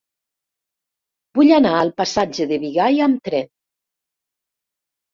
Vull anar al passatge de Bigai amb tren.